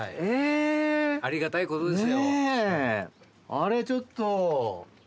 あれちょっと。